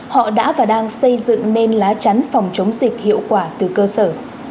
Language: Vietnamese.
họ đã và đang xây dựng nên lá chắn phòng chống dịch hiệu quả từ cơ sở